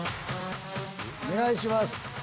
お願いします。